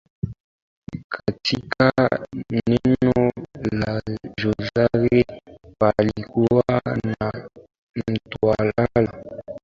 Katika eneo la Jozani palikuwa na mtawala aliyejulikana kwa jina la Joshi